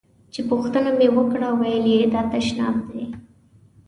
چې پوښتنه مې وکړه ویل یې دا تشناب دی.